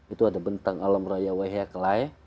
itu ada bentang alam raya wehya kelai